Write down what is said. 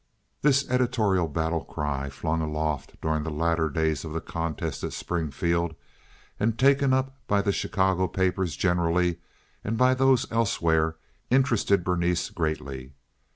This editorial battle cry, flung aloft during the latter days of the contest at Springfield and taken up by the Chicago papers generally and by those elsewhere, interested Berenice greatly.